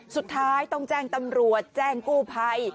สุดท้ายต้องแจ้งตำรวจแจ้งกู้ภัย